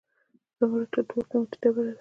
زمرد تر ټولو قیمتي ډبره ده